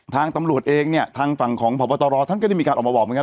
ทางตำรวจเองเนี่ยทางฝั่งของพบตรท่านก็ได้มีการออกมาบอกเหมือนกัน